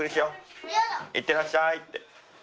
「行ってらっしゃい」って。